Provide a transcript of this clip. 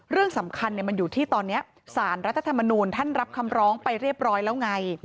เรื่องสำคัญมันอยู่ที่ตอนนี้สารรัฐธรรมนูลท่านรับคำร้องไปเรียบร้อยแล้วไง